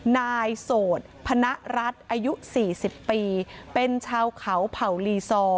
นายโสดพนรัฐอายุ๔๐ปีเป็นชาวเขาเผ่าลีซอร์